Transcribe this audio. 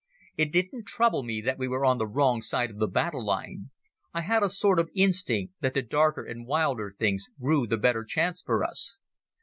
It didn't trouble me that we were on the wrong side of the battle line. I had a sort of instinct that the darker and wilder things grew the better chance for us.